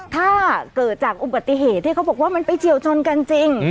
ถ้าเกิดจากอุบัติเหตุที่เขาบอกว่ามันไปเฉียวชนกันจริง